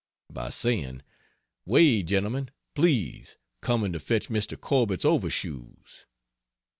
By saying: "Way, gentlemen, please coming to fetch Mr. Corbett's overshoes."